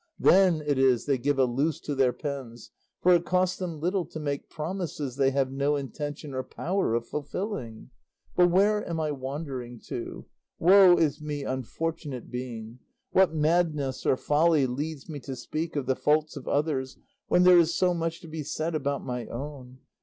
Then it is they give a loose to their pens, for it costs them little to make promises they have no intention or power of fulfilling. But where am I wandering to? Woe is me, unfortunate being! What madness or folly leads me to speak of the faults of others, when there is so much to be said about my own?